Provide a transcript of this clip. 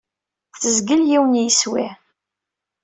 Tezgel yiwen n yeswi.